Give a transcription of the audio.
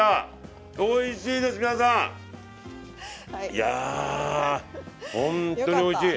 いやほんとにおいしい。